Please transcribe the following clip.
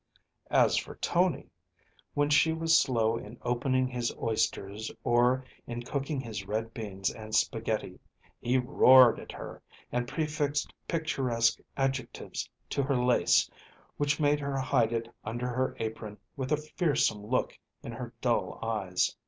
As for Tony, when she was slow in opening his oysters or in cooking his red beans and spaghetti, he roared at her, and prefixed picturesque adjectives to her lace, which made her hide it under her apron with a fearsome look in her dull eyes.